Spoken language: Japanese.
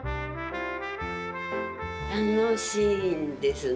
楽しいんですね。